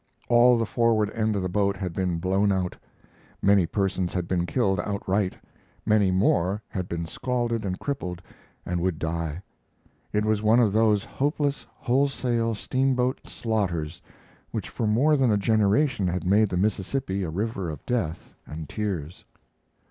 All the forward end of the boat had been blown out. Many persons had been killed outright; many more had been scalded and crippled and would die. It was one of those hopeless, wholesale steamboat slaughters which for more than a generation had made the Mississippi a river of death and tears.